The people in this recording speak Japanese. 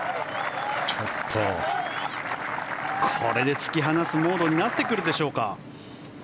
これで突き放すモードになってくるでしょうか。